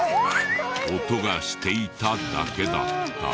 音がしていただけだった。